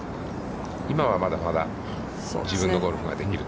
今はまだまだ自分のゴルフができる。